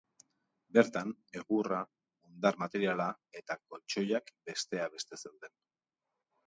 Bertan egurra, hondar materiala eta koltxoiak, besteak beste, zeuden.